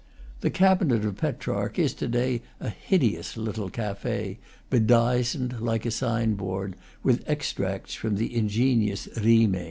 The cabinet of Petrarch is to day a hideous little cafe, bedizened, like a sign board, with extracts from the ingenious "Rime."